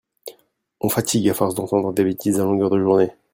On fatigue à force d'entendre des bétises à longueur de journée.